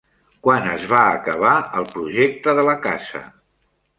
Quan es va acabar el projecte de la casa?